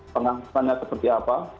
pembangunannya seperti apa